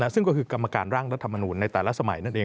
ซึ่งก็คือกรรมการร่างรัฐมนูลในแต่ละสมัยนั่นเอง